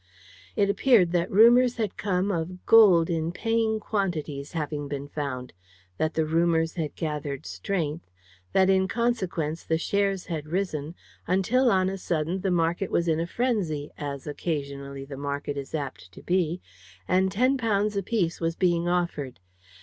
It appeared that rumours had come of gold in paying quantities having been found; that the rumours had gathered strength; that, in consequence, the shares had risen, until, on a sudden, the market was in a frenzy as occasionally the market is apt to be and ten pounds a piece was being offered.